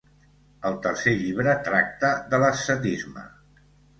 El tercer llibre tracta de l'ascetisme.